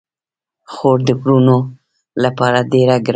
خور د وروڼو لپاره ډیره ګرانه وي.